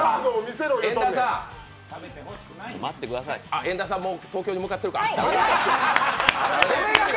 遠田さんあっ、遠田さん、もう東京に向かってるか？